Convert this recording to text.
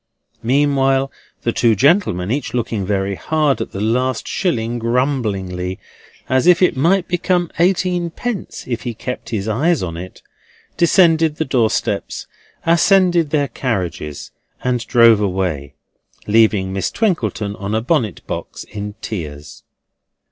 Meanwhile the two gentlemen, each looking very hard at the last shilling grumblingly, as if it might become eighteen pence if he kept his eyes on it, descended the doorsteps, ascended their carriages, and drove away, leaving Miss Twinkleton on a bonnet box in tears.